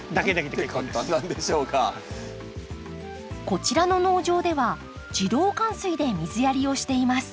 こちらの農場では自動潅水で水やりをしています。